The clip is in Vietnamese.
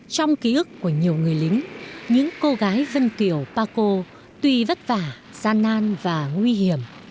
trong ký ức của nhiều người lính những cô gái vân kiều ba cô tuy vất vả gian nan và nguy hiểm